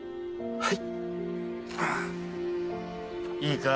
はい！